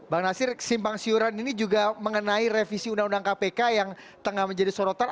bang nasir kesimpang siuran ini juga mengenai revisi undang undang kpk yang tengah menjadi sorotan